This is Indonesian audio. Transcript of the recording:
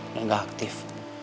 dan gak aktif